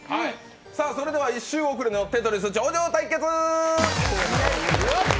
それでは１週遅れの「テトリス」頂上対決！